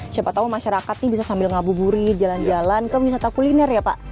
siapa tahu masyarakat ini bisa sambil ngabuburit jalan jalan ke wisata kuliner ya pak